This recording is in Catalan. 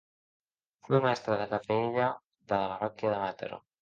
Fou mestre de capella de la parròquia de Mataró.